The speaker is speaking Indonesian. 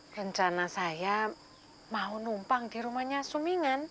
rencana saya mau numpang di rumahnya sumingan